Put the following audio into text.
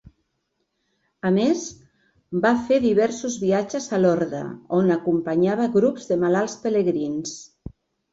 A més, va fer diversos viatges a Lorda, on acompanyava grups de malalts pelegrins.